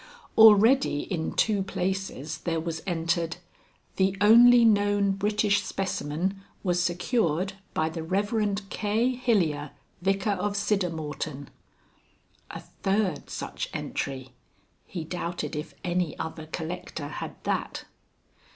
Already in two places there was entered: "the only known British specimen was secured by the Rev. K. Hilyer, Vicar of Siddermorton." A third such entry. He doubted if any other collector had that.